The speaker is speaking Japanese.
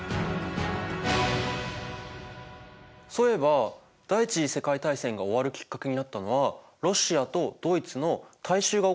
そういえば第一次世界大戦が終わるきっかけになったのはロシアとドイツの大衆が起こした革命だったよね。